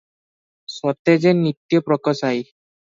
ସ୍ୱତେଜେ ନିତ୍ୟ ପ୍ରକାଶଇ ।